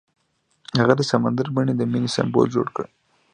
هغه د سمندر په بڼه د مینې سمبول جوړ کړ.